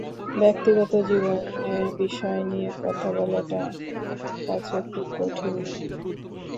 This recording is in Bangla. ব্যক্তিগত জীবনের বিষয় নিয়ে কথা বলাটা আমার কাছে খুব কঠিন মনে হয়।